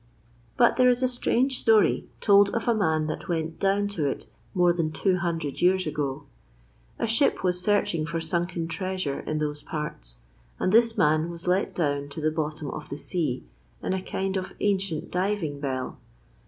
But there is a strange story told of a man that went down to it more than two hundred years ago. A ship was searching for sunken treasure in those parts and this man was let down to the bottom of the sea in a kind of ancient diving bell.